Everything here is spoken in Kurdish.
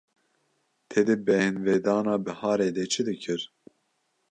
Te di bêhnvedana biharê de çi kir?